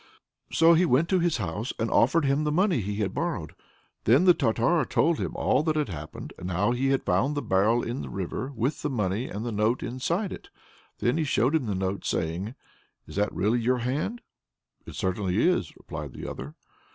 So he went to his house and offered him the money he had borrowed. Then the Tartar told him all that had happened and how he had found the barrel in the river, with the money and the note inside it. Then he showed him the note, saying: "Is that really your hand?" "It certainly is," replied the other.